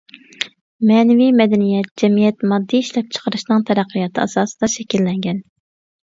مەنىۋى مەدەنىيەت جەمئىيەت ماددىي ئىشلەپچىقىرىشنىڭ تەرەققىياتى ئاساسىدا شەكىللەنگەن.